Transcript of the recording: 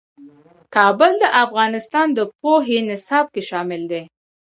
کابل د افغانستان د پوهنې نصاب کې شامل دي.